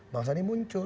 bang sandi muncul